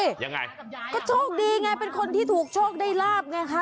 ยังไงก็โชคดีไงเป็นคนที่ถูกโชคได้ลาบไงคะ